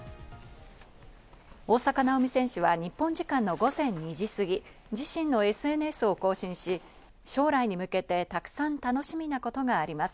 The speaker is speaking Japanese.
大坂なおみ選手は日本時間の午前２時すぎ、自身のＳＮＳを更新し、将来に向けて沢山楽しみなことがあります。